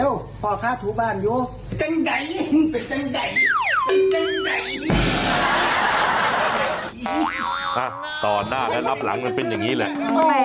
โอ้โฮใจกล้าแหละแหละแหละแหละแหละ